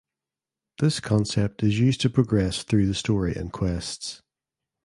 This concept is used to progress through the story and quests.